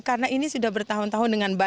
karena ini sudah bertahun tahun dengan baik